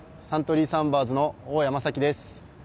サントリーサンバーズの大宅真樹です。